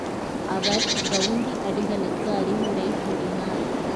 அவர் கவுந்தி அடிகளுக்கு அறவுரை கூறினார்.